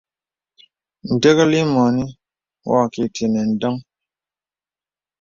Dəklì mɔnì wɔ kì tənə ǹdɔŋ.